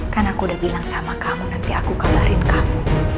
karena aku udah bilang sama kamu nanti aku kabarin kamu